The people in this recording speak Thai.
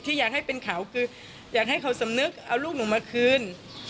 อยากให้เป็นข่าวคืออยากให้เขาสำนึกเอาลูกหนูมาคืน